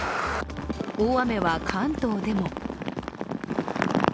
大雨は関東でも。